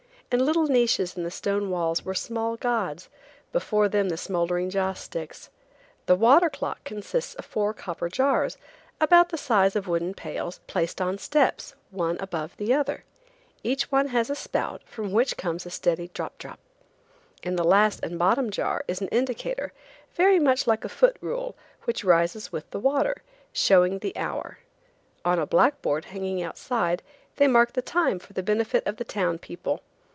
In little niches in the stone walls were small gods, before them the smouldering joss sticks. The water clock consists of four copper jars, about the size of wooden pails, placed on steps, one above the other. Each one has a spout from which comes a steady drop drop. In the last and bottom jar is an indicator, very much like a foot rule, which rises with the water, showing the hour. On a blackboard hanging outside, they mark the time for the benefit of the town people.